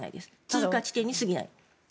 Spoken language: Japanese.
通過地点に過ぎない。